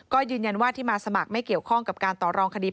ก็ยืนยันว่าที่มาสมัครไม่เกี่ยวข้องกับการต่อรองคดี